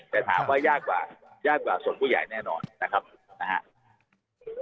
แต่ถามว่ายากกว่ายากกว่าส่วนผู้ใหญ่แน่นอนนะครับนะฮะ